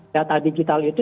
data digital itu